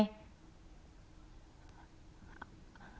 อ่า